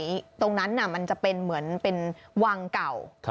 ตรงนั้นมันจะเป็นเหมือนเป็นวังเก่า